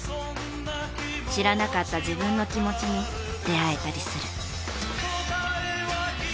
知らなかった自分の気持ちに出会えたりする。